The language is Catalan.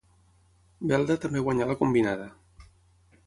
Belda també guanyà la combinada.